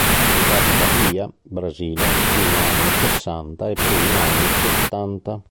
Città di Bahia, Brasile, fine anni sessanta e primi anni settanta.